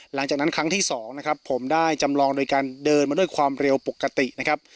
หลังจากนั้นครั้งที่สองนะครับผมได้จำลองโดยการเดินมาด้วยความเร็วปกตินะครับ